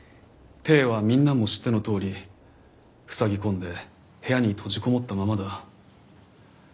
悌はみんなも知ってのとおり塞ぎ込んで部屋に閉じこもったままだ。